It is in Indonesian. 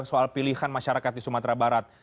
soal pilihan masyarakat di sumatera barat